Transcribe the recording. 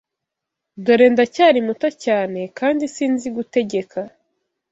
dore ndacyari muto cyane kandi sinzi gutegeka